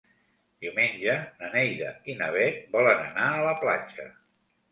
Diumenge na Neida i na Bet volen anar a la platja.